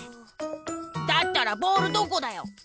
だったらボールどこだよ？